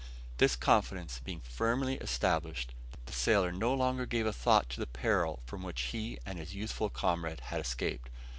This confidence being firmly established, the sailor no longer gave a thought to the peril from which he and his youthful comrade had escaped.